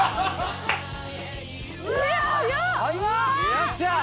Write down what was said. よっしゃ！